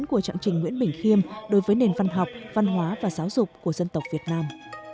của trạng trình nguyễn bình khiêm đối với nền văn học văn hóa và giáo dục của dân tộc việt nam